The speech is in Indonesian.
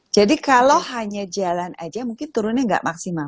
jadi kalau hanya jalan aja mungkin turunnya gak maksimal